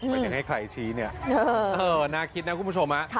ไม่อยากให้ใครชี้เนี่ยน่าคิดนะคุณผู้ชม